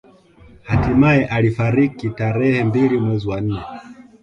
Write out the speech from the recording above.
Hatimae alifariki tarehe mbili mwezi wa nne